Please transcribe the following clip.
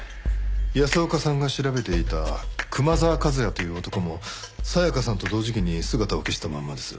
安岡さんが調べていた熊沢和也という男も沙耶香さんと同時期に姿を消したままです。